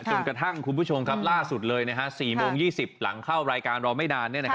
จนกระทั่งคุณผู้ชมครับล่าสุดเลยนะฮะ๔โมง๒๐หลังเข้ารายการรอไม่นาน